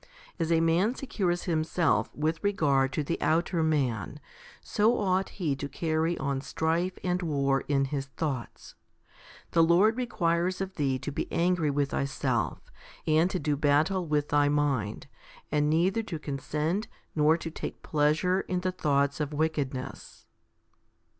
As a man secures himself with regard to the outer man, so ought he to carry on strife and war in his thoughts. The Lord requires of thee to be angry with thyself, and to do battle with thy mind, and neither to consent nor to take pleasure in the thoughts of wickedness.